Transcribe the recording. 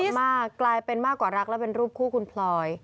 มากกลายเป็นมากกว่ารักและเป็นรูปคู่คุณพลอย